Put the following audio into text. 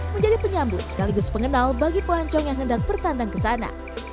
menjadi penyambut sekaligus pengenal bagi pelancong yang hendak bertandang ke sana